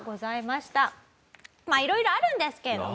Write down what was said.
まあ色々あるんですけれども。